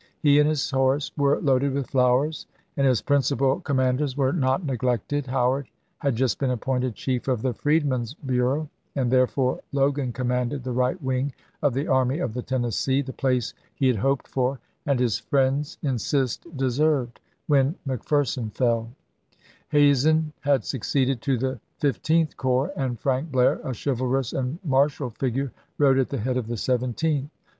He and his horse were loaded with flowers; and his principal com manders were not neglected. Howard had just been appointed chief of the Freedmen's Bureau, and therefore Logan commanded the right wing of the Army of the Tennessee, the place he had hoped for, and, his friends insist, deserved, when McPher son fell ; Hazen had succeeded to the Fifteenth Corps, and Frank Blair, a chivalrous and martial figure, rode at the head of the Seventeenth.